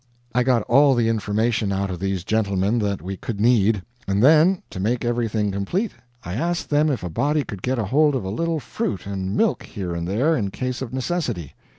I got all the information out of these gentlemen that we could need; and then, to make everything complete, I asked them if a body could get hold of a little fruit and milk here and there, in case of necessity.